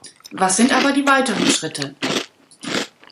Was sind aber die weiteren Schritte?